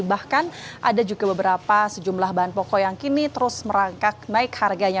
bahkan ada juga beberapa sejumlah bahan pokok yang kini terus merangkak naik harganya